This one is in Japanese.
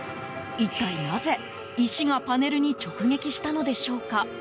一体なぜ、石がパネルに直撃したのでしょうか。